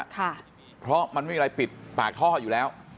ค่ะเพราะมันไม่มีอะไรปิดปากท่ออยู่แล้ว